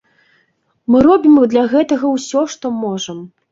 Мы робім для гэтага усё, што можам.